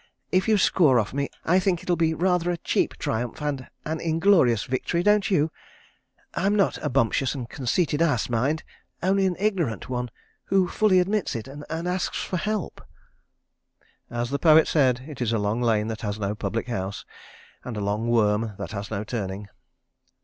If you score off me, I think it'll be rather a cheap triumph and an inglorious victory, don't you? ... I'm not a bumptious and conceited ass, mind—only an ignorant one, who fully admits it, and asks for help. ..." As the poet says, it is a long lane that has no public house, and a long worm that has no turning.